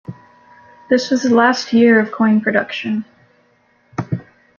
This was the last year of coin production.